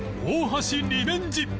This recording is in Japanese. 大橋リベンジ！